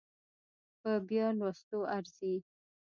په بيا لوستو ارزي